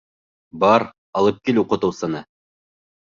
Бар, алып кил уҡытыусыны.